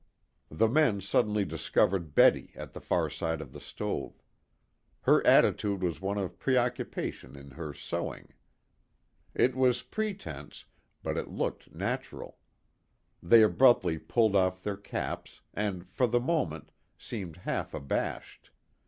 The men suddenly discovered Betty at the far side of the stove. Her attitude was one of preoccupation in her sewing. It was pretense, but it looked natural. They abruptly pulled off their caps, and for the moment, seemed half abashed.